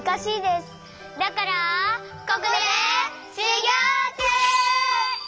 ここでしゅぎょうちゅう！